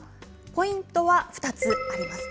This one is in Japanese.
ポイントは２つあります。